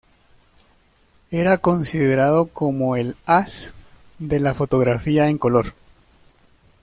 Era considerado como el as de la fotografía en color.